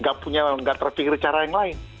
tidak punya tidak terpikir cara yang lain